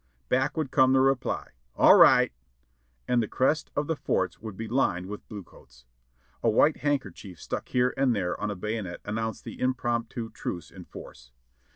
Back would come the reply "/\11 right," and the crest of the forts would be lined with the blue coats. A white handkerchief stuck here and there on a bayonet announced the impromptu truce in force.